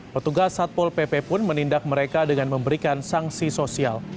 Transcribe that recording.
petugas satpol pp pun menindak mereka dengan memberikan sanksi sosial